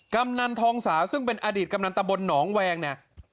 กำนันทองสาซึ่งเป็นอดีตกำนันตะบนหนองแวงเนี่ย